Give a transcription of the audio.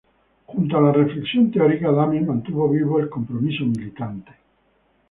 Junto a la reflexión teórica, Damen mantuvo vivo el compromiso militante.